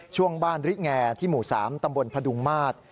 ช่วงบ้านริแงที่หมู่๓ตำบลพดุงมาตร